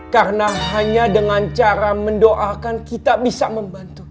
karena hanya dengan cara mendoakan kita bisa membantu